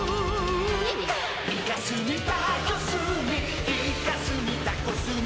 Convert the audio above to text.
「イカスミ・タコスミ・イカスミ・タコスミ」